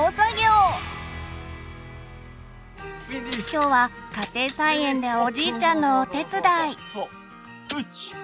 今日は家庭菜園でおじいちゃんのお手伝い。